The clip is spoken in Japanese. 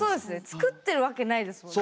作ってるわけないですもんね